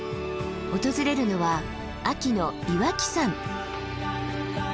訪れるのは秋の岩木山。